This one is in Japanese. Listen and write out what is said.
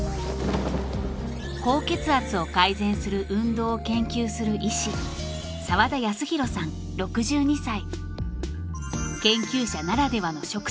高血圧を改善する運動を研究する医師澤田泰宏さん６２歳。